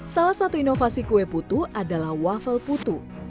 salah satu inovasi kue putu adalah waffle putu